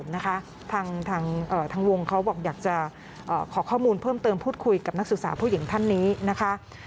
นะคะทางวงเขาบอกอยากจะขอข้อมูลเพิ่มเติมพูดคุยกับนักศึกษาผู้หญิงท่านนี้นะคะ